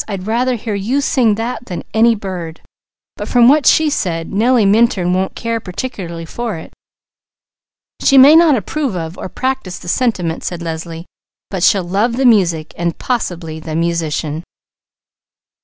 "I'd rather hear you sing that than any bird, but from what she said, Nellie Minturn won't care particularly for it!" "She may not approve of, or practise, the sentiment," said Leslie, "but she'll love the music and possibly the musician."